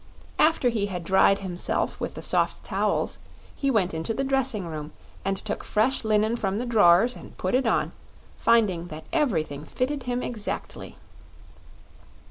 After he had dried himself with the soft towels he went into the dressing room and took fresh linen from the drawers and put it on, finding that everything fitted him exactly.